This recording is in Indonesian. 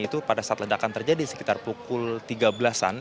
itu pada saat ledakan terjadi sekitar pukul tiga belas an